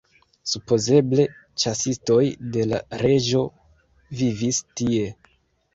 Supozeble ĉasistoj de la reĝo vivis tie.